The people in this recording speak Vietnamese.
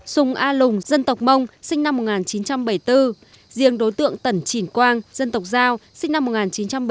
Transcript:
sùng a lùng dân tộc mông sinh năm một nghìn chín trăm bảy mươi bốn riêng đối tượng tẩn chỉnh quang dân tộc giao sinh năm một nghìn chín trăm bảy mươi